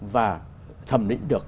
và thẩm định được